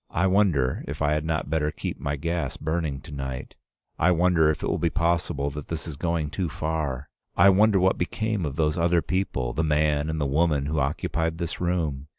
I wonder if I had not better keep my gas burning to night? I wonder if it be possible that this is going too far? I wonder what became of those other people, the man and the woman who occupied this room?